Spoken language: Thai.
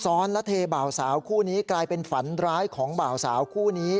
ซ้อนและเทบ่าวสาวคู่นี้กลายเป็นฝันร้ายของบ่าวสาวคู่นี้